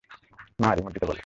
মা, রিমোট দিতে বল।